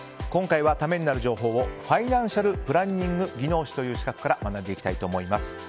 今回はためになる情報をファイナンシャル・プランニング技能士という資格から学んでいきたいと思います。